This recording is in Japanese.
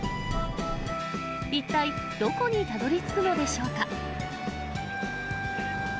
一体、どこにたどりつくのでしょうか。